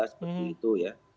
seperti itu ya